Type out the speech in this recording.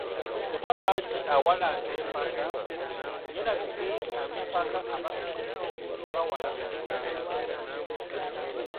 Oba lwaki awalaza empaka?yeerabidde nti, ab'empaka ababiri tebawala luga.